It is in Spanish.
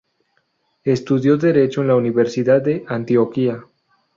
Estudió Derecho en la Universidad de Antioquia.